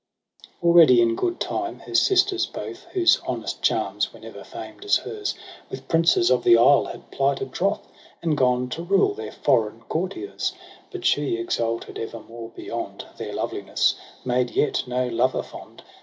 Already in good time her sisters both. Whose honest charms were never femed as hers, With princes of the isle had plighted troth, And gone to rule their foreign courtiers • But she, exalted evermore beyond Their loveliness, made yet no lover fond.